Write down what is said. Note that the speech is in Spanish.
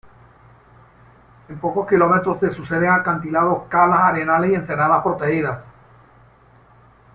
En pocos kilómetros se suceden acantilados, calas, arenales y ensenadas protegidas.